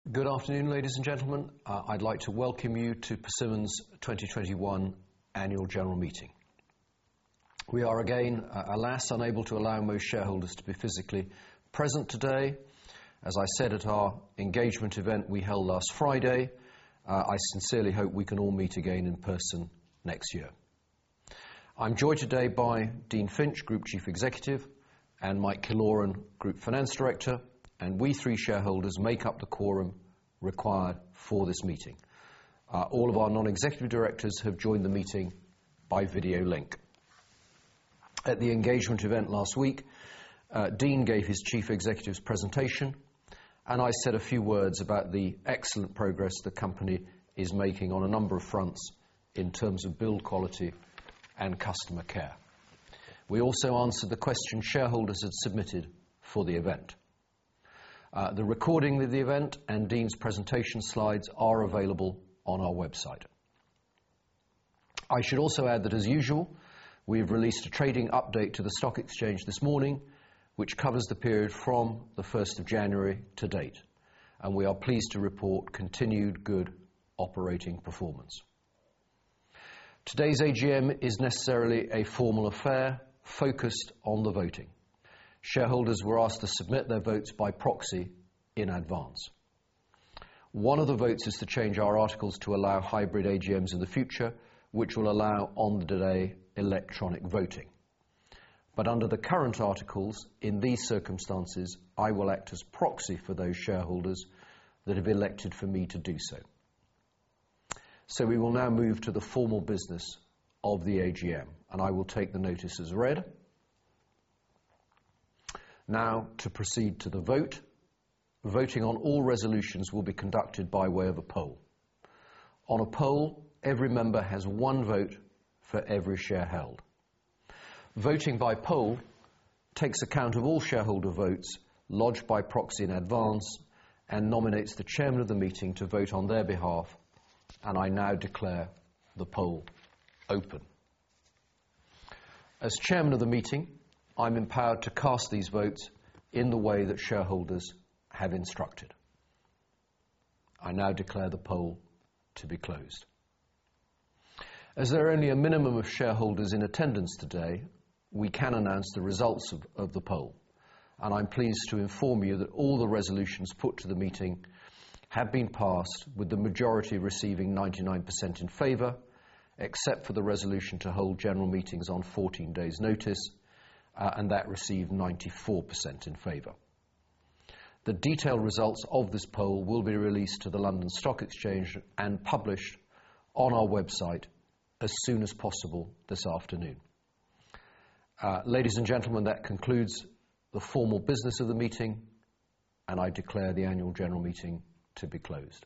Good afternoon, ladies and gentlemen. I'd like to welcome you to Persimmon's 2021 annual general meeting. We are again, alas, unable to allow most shareholders to be physically present today. As I said at our engagement event we held last Friday, I sincerely hope we can all meet again in person next year. I'm joined today by Dean Finch, Group Chief Executive, and Mike Killoran, Group Finance Director. We three shareholders make up the quorum required for this meeting. All of our non-executive directors have joined the meeting by video link. At the engagement event last week, Dean gave his chief executive's presentation, and I said a few words about the excellent progress the company is making on a number of fronts in terms of build quality and customer care. We also answered the questions shareholders had submitted for the event. The recording of the event and Dean's presentation slides are available on our website. I should also add that, as usual, we've released a trading update to the stock exchange this morning, which covers the period from the 1st of January to date, and we are pleased to report continued good operating performance. Today's AGM is necessarily a formal affair focused on the voting. Shareholders were asked to submit their votes by proxy in advance. One of the votes is to change our articles to allow hybrid AGMs in the future, which will allow on-the-day electronic voting. Under the current articles, in these circumstances, I will act as proxy for those shareholders that have elected for me to do so. We will now move to the formal business of the AGM, and I will take the notices read. Now to proceed to the vote. Voting on all resolutions will be conducted by way of a poll. On a poll, every member has one vote for every share held. Voting by poll takes account of all shareholder votes lodged by proxy in advance and nominates the chairman of the meeting to vote on their behalf. I now declare the poll open. As chairman of the meeting, I'm empowered to cast these votes in the way that shareholders have instructed. I now declare the poll to be closed. As there are only a minimum of shareholders in attendance today, we can announce the results of the poll. I'm pleased to inform you that all the resolutions put to the meeting have been passed with the majority receiving 99% in favor, except for the resolution to hold general meetings on 14 days' notice. That received 94% in favor. The detailed results of this poll will be released to the London Stock Exchange and published on our website as soon as possible this afternoon. Ladies and gentlemen, that concludes the formal business of the meeting, and I declare the annual general meeting to be closed.